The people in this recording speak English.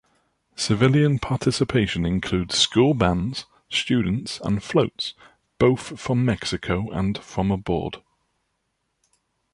Civilian participation includes school bands, students and floats, both from Mexico and from abroad.